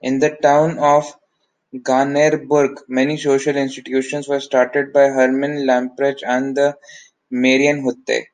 In the town of Gnarrenburg many social institutions were started by Hermann Lamprecht and the Marienhütte.